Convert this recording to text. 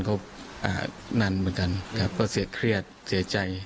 ก็นานเหมือนกันครับก็เสียเครียดเสียใจ